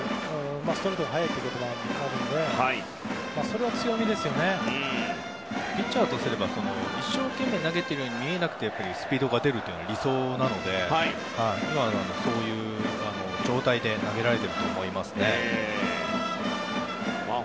ストレートが速いということもあるのでピッチャーからすれば一生懸命投げているように見えなくてスピードが出るというのが理想なのでそういう状態で投げられていると思いますね。